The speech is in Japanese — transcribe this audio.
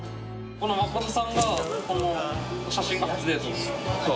この誠さんがこの写真が初デート？